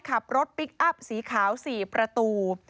ขับรถพลิกอัพสีขาว๔ประตู